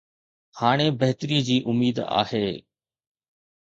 هاڻي بهتري جي اميد آهي.